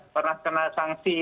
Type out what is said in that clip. pernah kena sanksi dari